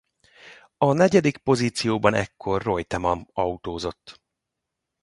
A negyedik pozícióban ekkor Reutemann autózott.